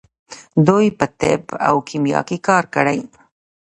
دوی په طب او کیمیا کې کار کړی.